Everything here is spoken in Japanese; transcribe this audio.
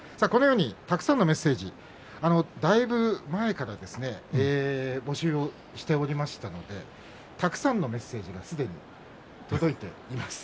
たくさんのメッセージだいぶ前から募集をしておりましたのでたくさんのメッセージがすでに届いています。